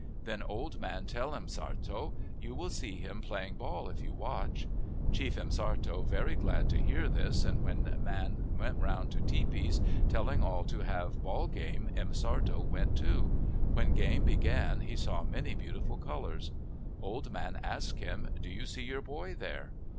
"Then old man tell M'Sartto, 'You will see him playing ball if you watch/ " Chief M'Sartto very glad to hear this, and when man went round to tepees telling all to go have ball game, M'Sartto went too. When game began he saw many beautiful colors. " Old man ask him, ' Do you see your boy there